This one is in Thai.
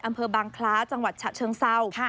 อำเภอบางคล้าจังหวัดฉะเชิงเศร้า